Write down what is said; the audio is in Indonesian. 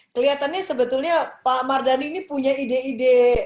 kelihatannya sebetulnya pak mardhani ini punya ide ide